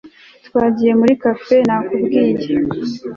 Twagiye muri café nakubwiye